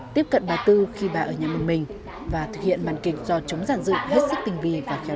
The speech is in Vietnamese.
tiếp cận bà tư khi bà ở nhà một mình và thực hiện màn kịch do chống giản dự hết sức tình vi